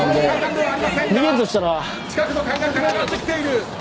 近くの階段から上がってきている。